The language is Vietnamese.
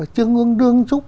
trung ương đương trúc